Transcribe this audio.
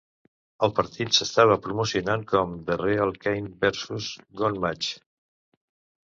El partit s'estava promocionant com The Real Cane versus Gunn Match.